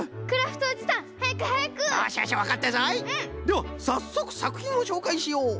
ではさっそくさくひんをしょうかいしよう。